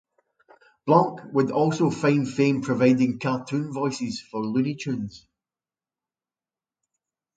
Blanc would also find fame providing cartoon voices for "Looney Tunes".